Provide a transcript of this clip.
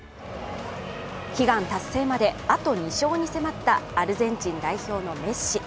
悲願達成まであと２勝に迫った、アルゼンチン代表のメッシ。